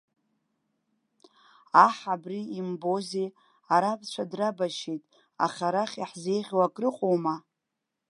Аҳ абри имбозеи, арабцәа драбашьит, аха арахь иаҳзеиӷьу акрыҟоума?